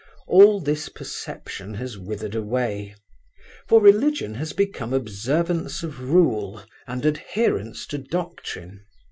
All this perception has withered away, for religion has become observance of rule and adherence to doctrine.